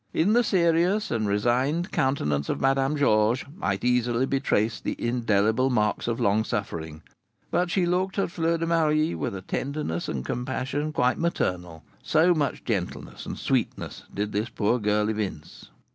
In the serious and resigned countenance of Madame Georges might easily be traced the indelible marks of long suffering; but she looked at Fleur de Marie with a tenderness and compassion quite maternal, so much gentleness and sweetness did this poor girl evince.